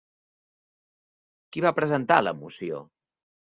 Qui va presentar la moció?